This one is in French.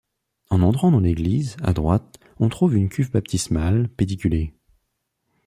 En entrant dans l'église, à droite, on trouve une cuve baptismale pédiculée.